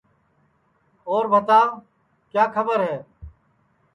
اور بھتاو کیا کھٻر ہے